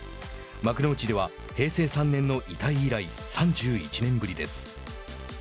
幕内では平成３年のいたい以来、３１年ぶりです。